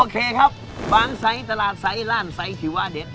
โอเคครับบางไซต์ตลาดไซต์ร่านไซต์ที่ว่าเด็ด